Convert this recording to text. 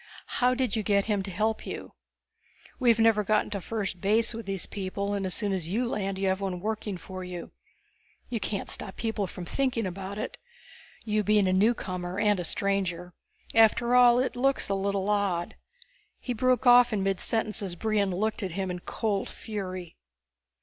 How did you get him to help you? We've never gotten to first base with these people, and as soon as you land you have one working for you. You can't stop people from thinking about it, you being a newcomer and a stranger. After all, it looks a little odd " He broke off in midsentence as Brion looked at him in cold fury.